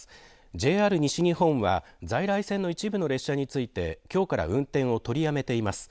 ＪＲ西日本は在来線の一部の列車についてきょうから運転を取りやめています。